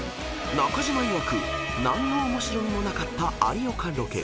［中島いわく何の面白みもなかった有岡ロケ］